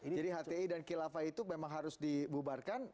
jadi hti dan khilafah itu memang harus dibubarkan